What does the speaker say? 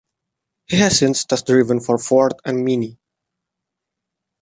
He has since test-driven for Ford and Mini.